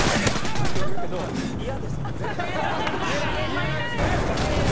って言われるけど嫌ですって絶対言えない。